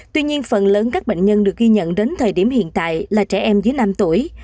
tuy nhiên phần lớn các bệnh nhân được ghi nhận đến thời điểm hiện tại là trẻ em dưới năm tuổi